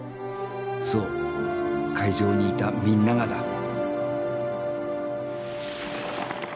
そう会場にいたみんながだ。